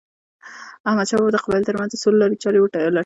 احمد شاه بابا د قبایلو ترمنځ د سولې لارې چاري لټولي.